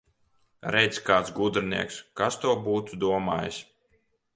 Redz, kāds gudrinieks! Kas to būtu domājis!